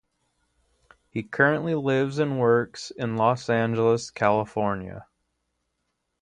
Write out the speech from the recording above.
He currently lives and works in Los Angeles, California.